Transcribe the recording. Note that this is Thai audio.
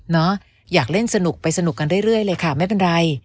อยากเล่นสนุกไปสนุกกันเรื่อยเลยค่ะไม่เป็นไร